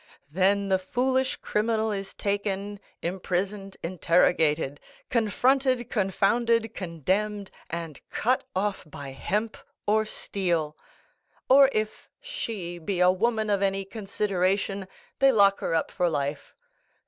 Then the foolish criminal is taken, imprisoned, interrogated, confronted, confounded, condemned, and cut off by hemp or steel; or if she be a woman of any consideration, they lock her up for life.